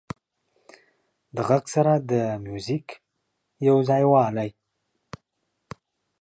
د غږ سره د موزیک یو ځایوالی